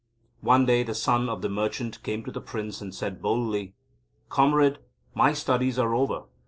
One day the Son of the Merchant came to the Prince, and said boldly: "Comrade, my studies are over.